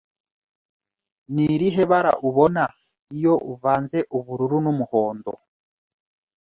Ni irihe bara ubona iyo uvanze ubururu n'umuhondo?